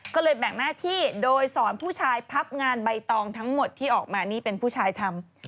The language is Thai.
ก็เลยแบ่งหน้าที่โดยสอนผู้ชายพับงานใบตองทั้งหมดที่ออกมานี่เป็นผู้ชายทำ